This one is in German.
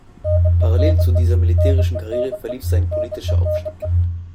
Parallel zu dieser militärischen Karriere verlief sein politischer Aufstieg.